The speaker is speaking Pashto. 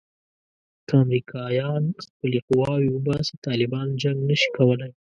که امریکایان خپلې قواوې وباسي طالبان جنګ نه شي کولای.